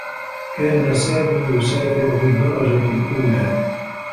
كان سامي يسافر في الدّرجة الأولى.